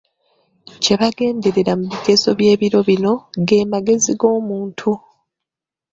Kye bagenderera mu bigezo by'ebiro bino, ge magezi g'omuntu.